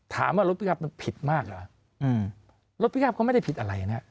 ถามว่ารถพี่กับมันผิดมากเหรอรถพี่กับก็ไม่ได้ผิดอะไรนะ